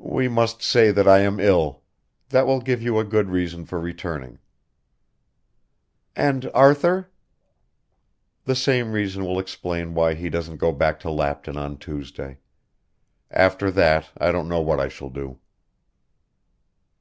"We must say that I am ill. That will give you a good reason for returning." "And Arthur?" "The same reason will explain why he doesn't go back to Lapton on Tuesday. After that I don't know what I shall do."